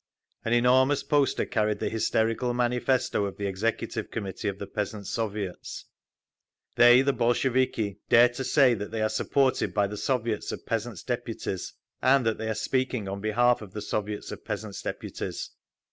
An enormous poster carried the hysterical manifesto of the Executive Committee of the Peasants' Soviets: ….They (the Bolsheviki) dare to say that they are supported by the Soviets of Peasants' Deputies, and that they are speaking on behalf of the Soviets of Peasants' Deputies….